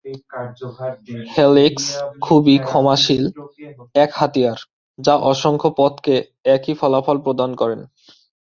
Helix খুবই ক্ষমাশীল এক হাতিয়ার, যা অসংখ্য পথকে একই ফলাফল প্রদান করে।